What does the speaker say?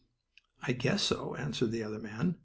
"I guess so," answered the other man.